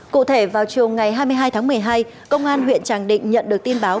cụ thể vào chiều ngày hai mươi hai tháng một mươi hai công an huyện tràng định nhận được tin báo